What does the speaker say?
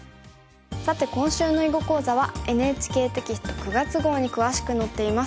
さて今週の囲碁講座はＮＨＫテキスト９月号に詳しく載っています。